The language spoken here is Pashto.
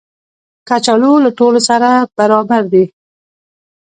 کچالو له ټولو سره برابر دي